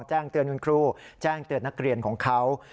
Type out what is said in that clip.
แจ้งเตือนคุณครูแจ้งเตือนนักเรียนของเขา